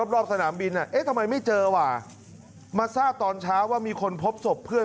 รอบสนามบินเอ๊ะทำไมไม่เจอว่ะมาทราบตอนเช้าว่ามีคนพบศพเพื่อน